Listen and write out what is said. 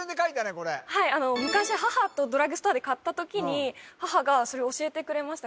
これ昔母とドラッグストアで買った時に母がそれを教えてくれました